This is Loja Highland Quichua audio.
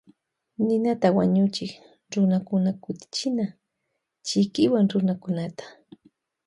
Ninata wañuchik runakuna kutichana chikiwan runakunata.